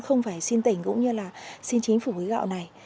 không phải xin tỉnh cũng như là xin chính phủ với gạo này